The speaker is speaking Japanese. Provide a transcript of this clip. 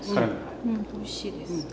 うんおいしいです。